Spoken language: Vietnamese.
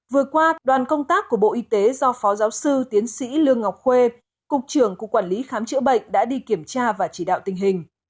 vừa qua đoàn công tác của bộ y tế do phó giáo sư tiến sĩ lương ngọc khuê cục trưởng cục quản lý khám chữa bệnh đã đi kiểm tra và chỉ đạo tình hình